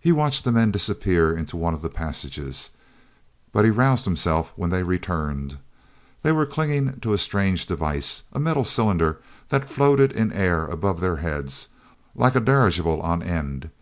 He watched the men disappear into one of the passages, but he roused himself when they returned. They were clinging to a strange device, a metal cylinder that floated in air above their heads like a dirigible on end.